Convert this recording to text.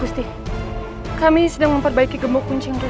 nusuk mereka dengan berains comment